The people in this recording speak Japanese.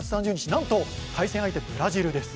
なんと、対戦相手ブラジルです。